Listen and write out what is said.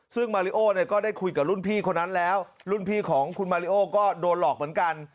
ซึ่งมาริโอเนี่ยก็ได้คุยกับรุ่นพี่คนนั้นแล้วรุ่นพี่ของคุณมาริโอก็โดนหลอกเหมือนกัน